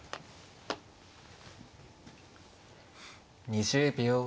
２０秒。